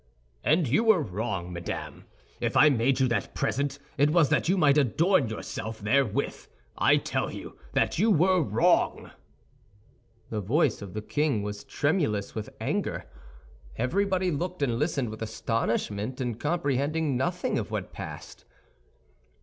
"And you were wrong, madame. If I made you that present it was that you might adorn yourself therewith. I tell you that you were wrong." The voice of the king was tremulous with anger. Everybody looked and listened with astonishment, comprehending nothing of what passed.